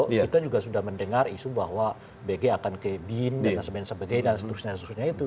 kita juga sudah mendengar isu bahwa bg akan ke bin dan sebagainya